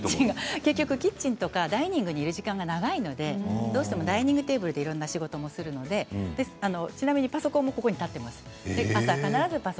結局キッチンやダイニングにいる時間が長いのでダイニングテーブルでいろんな仕事もするのでちなみにパソコンもここに立っています。